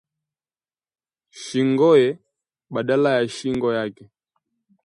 Shingoye badala ya shingo yake